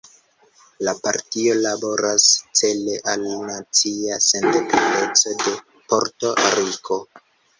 La partio laboras cele al la nacia sendependeco de Porto-Riko.